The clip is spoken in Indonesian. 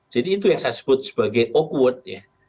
jadi itu yang saya sebut sebagai awkward ya